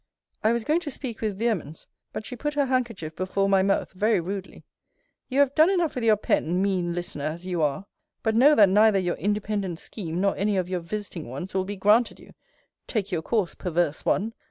I was going to speak with vehemence; but she put her handkerchief before my mouth, very rudely You have done enough with your pen, mean listener, as you are! But know that neither your independent scheme, nor any of your visiting ones, will be granted you. Take your course, perverse one!